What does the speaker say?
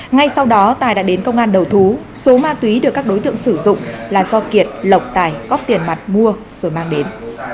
ngay sau đó tài đã đến công an đầu thú số ma túy được các đối tượng sử dụng là do kiệt lộc tài góp tiền mặt mua rồi mang đến